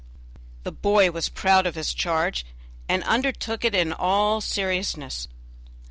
The boy was proud of his charge, and undertook it in all seriousness.